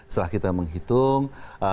setelah kita menghitung